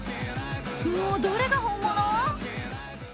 もうどれが本物？